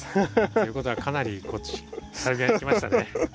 ということはかなりこっちサルビアにきましたね。